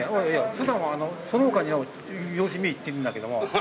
普段はその他には様子見に行っているんだけども。